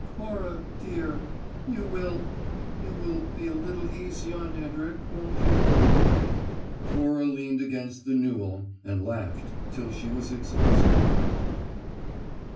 "Cora, dear, you will you will be a little easy on Hedrick, won't you?" Cora leaned against the newel and laughed till she was exhausted.